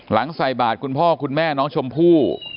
ใส่บาทคุณพ่อคุณแม่น้องชมพู่